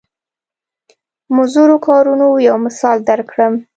مضرو کارونو یو مثال درکړم.